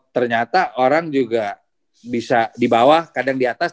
ternyata orang juga bisa di bawah kadang di atas